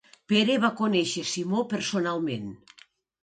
Pere va conèixer Simó personalment.